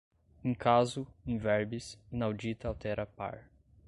in casu, in verbis, inaudita altera par